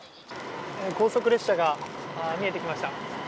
高速列車が見えてきました。